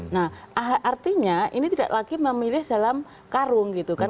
nah artinya ini tidak lagi memilih dalam karung gitu kan